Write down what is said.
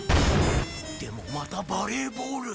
でもまたバレーボール。